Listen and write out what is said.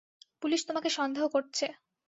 Police তোমাকে সন্দেহ করছে।